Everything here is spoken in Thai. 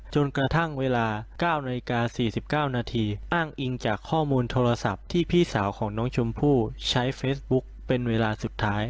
จนกระทั่งเวลา๙นาฬิกา๔๙นาทีอ้างอิงจากข้อมูลโทรศัพท์ที่พี่สาวของน้องชมพู่ใช้เฟซบุ๊กเป็นเวลาสุดท้าย